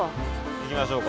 行きましょうか。